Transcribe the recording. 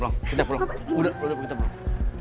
udah udah kita pulang